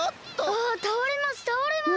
あたおれます！